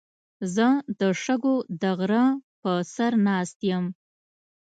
زه د شګو د غره په سر ناست یم.